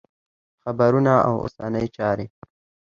خبرونه او اوسنۍ چارې